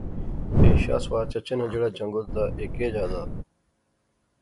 ایہہ شاہ سوار چچے ناں جہیڑا جنگت دا ایہہ کیا جا دا؟